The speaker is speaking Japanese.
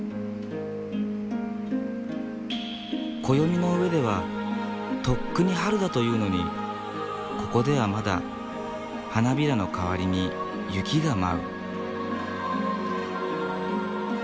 暦の上ではとっくに春だというのにここではまだ花びらの代わりに雪が舞う。